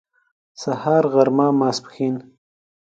سهار غرمه ماسپښين